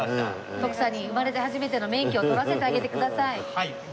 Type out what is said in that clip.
徳さんに生まれて初めての免許を取らせてあげてください。